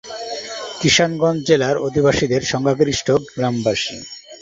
কিশানগঞ্জ জেলার অধিবাসীদের সংখ্যাগরিষ্ঠ গ্রামবাসী।